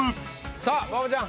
さあ馬場ちゃん